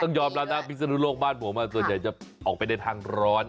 ต้องยอมแล้วนะภิกษณุนโลกบ้านผมส่วนใหญ่จะออกไปในทางร้อน